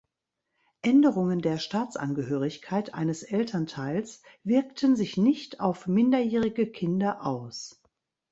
Änderungen der Staatsangehörigkeit eines Elternteils wirkten sich nicht auf minderjährige Kinder aus.